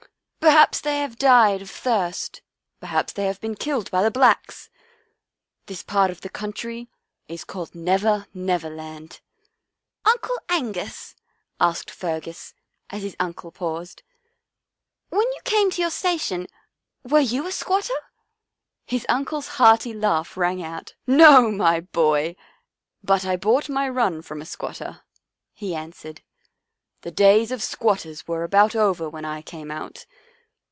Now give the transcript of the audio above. Perhaps they have died of thirst, perhaps they have been killed by the Blacks. This part of the country is called ' Never, Never Land.' "" Uncle Angus," asked Fergus, as his uncle paused. " When you came to your station were you a squatter? " His uncle's hearty laugh rang out. " No, my boy, but I bought my run from a squatter," he answered. " The days of squatters were about over when I came out.